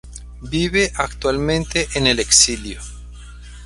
Vive actualmente en el exilio.